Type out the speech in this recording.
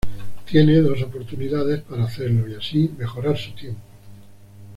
Tienen dos oportunidades para hacerlo y así mejorar su tiempo.